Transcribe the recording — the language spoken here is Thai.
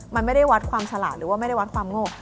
มันไม่ได้วัดความฉลาดหรือว่าไม่ได้วัดความโง่